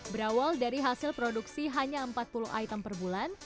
berawal dari hasil produksi hanya empat puluh item per bulan